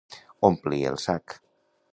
Omplir el sac.